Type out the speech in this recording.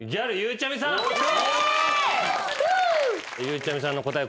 ゆうちゃみさんの答え